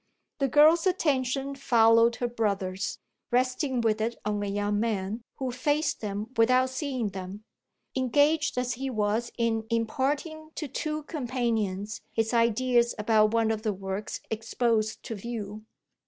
The girl's attention followed her brother's, resting with it on a young man who faced them without seeing them, engaged as he was in imparting to two companions his ideas about one of the works exposed to view.